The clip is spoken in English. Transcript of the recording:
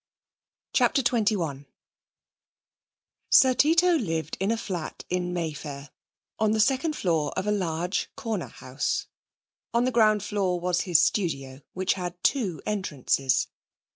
CHAPTER XXI Sir Tito lived in a flat in Mayfair, on the second floor of a large corner house. On the ground floor was his studio, which had two entrances.